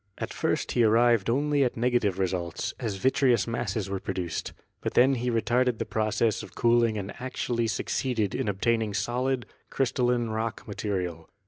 At first he arrived only at negative results, as vitreous masses were produced; but he then retarded the process of cooling and actually succeeded in obtaining solid, crystalline rock material.